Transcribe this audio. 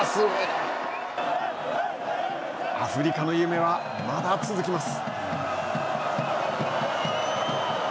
アフリカの夢はまだ続きます。